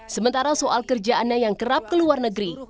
sementara soal kerjaannya yang kerap ke luar negeri